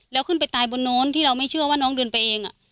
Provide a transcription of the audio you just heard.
แล้วขึ้นไปตายบนโน้นที่เราไม่เชื่อว่าน้องเดินไปเอง